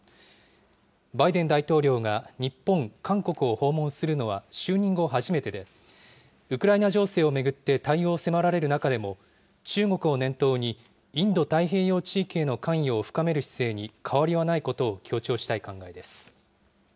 バイデン大統領が日本、韓国を訪問するのは、就任後初めてで、ウクライナ情勢を巡って対応を迫られる中でも、中国を念頭に、インド太平洋地域への関与を深める姿勢に変わりはないことを強調したい考えです。